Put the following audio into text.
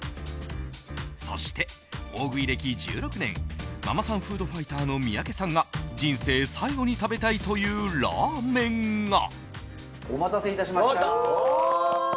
そして大食い歴１６年ママさんフードファイターの三宅さんが人生最後に食べたいというラーメンが。